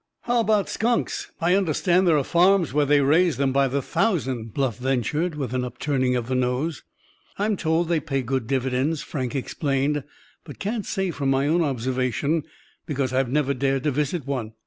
"How about skunks—I understand there are farms where they raise them by the thousand?" Bluff ventured, with an upturning of the nose. "I'm told they pay good dividends," Frank explained, "but can't say from my own observation, because I've never dared to visit one.